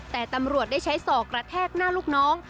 แต่ตำรวจได้ใช้ศอกกระแทกหน้าลูกน้อง